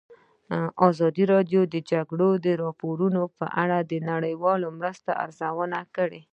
ازادي راډیو د د جګړې راپورونه په اړه د نړیوالو مرستو ارزونه کړې.